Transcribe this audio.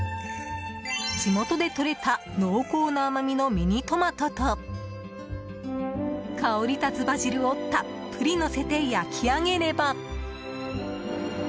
地元でとれた濃厚な甘みのミニトマトと香り立つバジルをたっぷりのせて焼き上げれば。